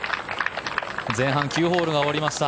前半９ホールが終わりました。